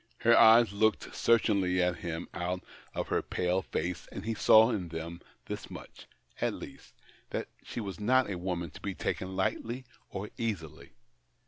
Her eyes looked searchingly at him out of her pale face, and he saw in them this much, at least, that she was not a woman to be taken lightly and easily.